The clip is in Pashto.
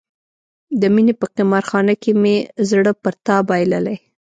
د مینې په قمار خانه کې مې زړه پر تا بایللی.